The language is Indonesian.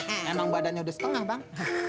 emang badannya udah setengah bang